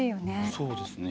そうですね。